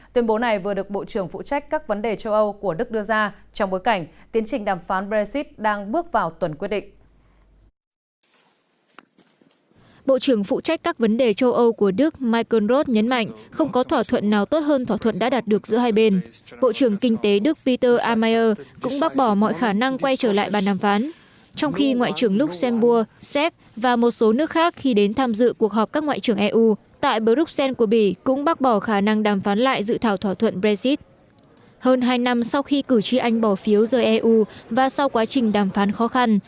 trong khi cử tri anh bỏ phiếu rời eu và sau quá trình đàm phán khó khăn